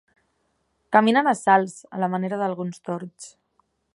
Caminen a salts, a la manera d'alguns tords.